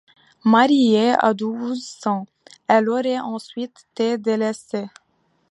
Mariée à douze ans, elle aurait ensuite été délaissée.